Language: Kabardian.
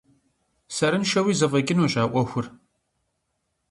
Сэрыншэуи зэфӏэкӏынущ а ӏуэхур.